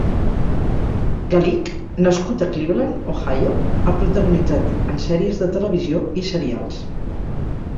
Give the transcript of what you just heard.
Galik, nascut a Cleveland (Ohio), ha protagonitzat en sèries de televisió i serials.